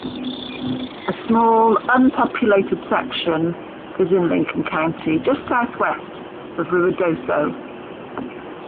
A small unpopulated section is in Lincoln County just southwest of Ruidoso.